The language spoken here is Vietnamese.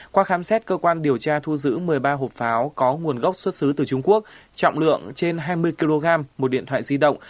qua khám xét cơ quan điều tra thu giữ một mươi ba hộp pháo có nguồn gốc xuất xứ từ trung quốc trọng lượng trên hai mươi kg một điện thoại di động